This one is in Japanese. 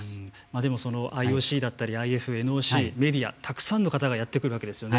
でもＩＯＣだったりＮＯＣメディア、たくさんの方がやってくるわけですよね。